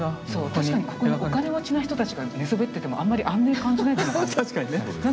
確かにここにお金持ちの人たちが寝そべっててもあんまり安寧感じないじゃないですか。